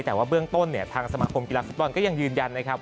แต่ว่าเบื้องต้นเนี่ยทางสมาคมกีฬาฟุตบอลก็ยังยืนยันนะครับ